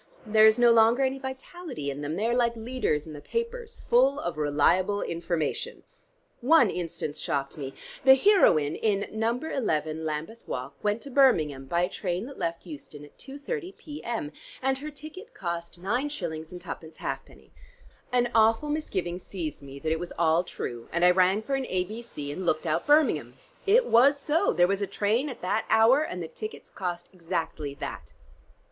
There is no longer any vitality in them: they are like leaders in the papers, full of reliable information. One instance shocked me: the heroine in 'No. 11 Lambeth Walk' went to Birmingham by a train that left Euston at 2:30 P. M. and her ticket cost nine shillings and twopence halfpenny. An awful misgiving seized me that it was all true and I rang for an A.B.C. and looked out Birmingham. It was so: there was a train at that hour and the tickets cost exactly that."